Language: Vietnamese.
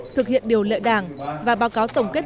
thực hiện điều lệ đảng và báo cáo tổng kết